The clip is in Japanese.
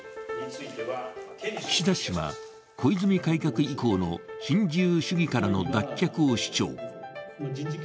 岸田氏は、小泉改革意向の新自由主義からの脱却を主張。